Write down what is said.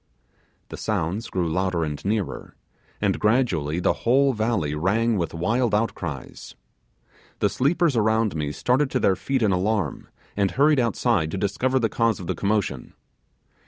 The sounds grew louder and nearer, and gradually the whole valley rang with wild outcries. The sleepers around me started to their feet in alarm, and hurried outside to discover the cause of the commotion.